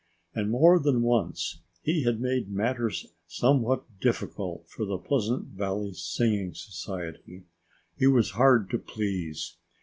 And more than once he had made matters somewhat difficult for the Pleasant Valley Singing Society. He was hard to please.